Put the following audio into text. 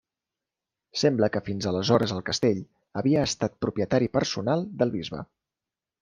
Sembla que fins aleshores el castell havia estat propietari personal del bisbe.